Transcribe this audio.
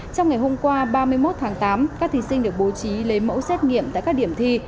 trong ngày hôm qua ba mươi một tháng tám các thí sinh được bố trí lấy mẫu xét nghiệm tại các điểm thi